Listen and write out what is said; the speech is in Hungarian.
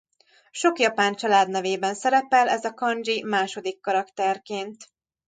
Sok japán családnevében szerepel ez a kandzsi második karakterként.